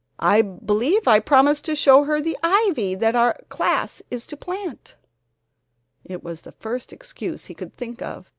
I believe I promised to show her the ivy that our class is to plant." It was the first excuse he could think of.